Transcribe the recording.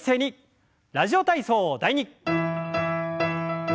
「ラジオ体操第２」。